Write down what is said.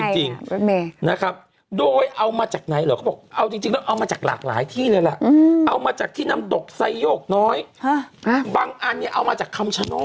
ติดได้ยังไงบริเมณ์